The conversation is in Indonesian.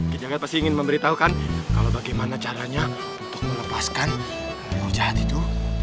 gijagat pasti ingin memberitahukan kalau bagaimana caranya untuk melepaskan rujat itu